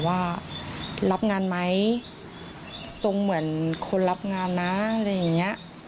ว่ารับงานไหมทรงเหมือนคนรับงานนะอะไรอย่างเงี้ย